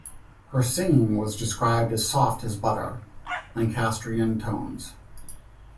Her singing was described as soft as butter Lancastrian tones.